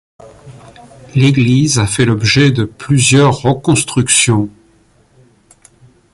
L'église a fait l'objet de plusieurs reconstructions.